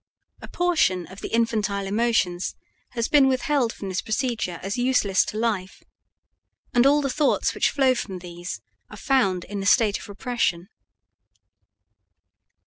A portion of the infantile emotions has been withheld from this procedure as useless to life, and all the thoughts which flow from these are found in the state of repression.